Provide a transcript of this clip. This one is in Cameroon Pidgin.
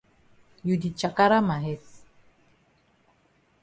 You di chakara ma head.